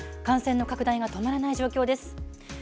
感染の拡大が止まらない状況です。